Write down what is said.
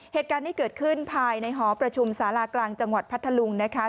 เหตุการณ์นี้เกิดขึ้นภายในหอประชุมศาลากลางจังหวัดพัทธลุงนะคะ